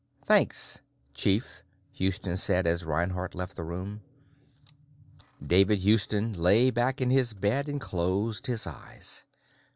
"Thanks Chief," Houston said as Reinhardt left the room. David Houston lay back in his bed and closed his eyes.